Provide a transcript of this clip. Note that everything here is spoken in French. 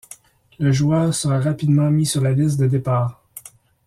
Le joueur sera rapidement mis sur la liste de départ.